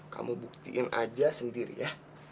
kamu buktiin aja sendiri ya